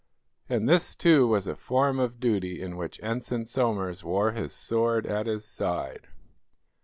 And this, too, was a form of duty in which Ensign Somers wore his sword at his side.